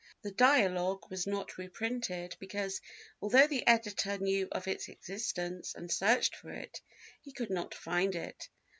The Dialogue was not reprinted because, although the editor knew of its existence and searched for it, he could not find it.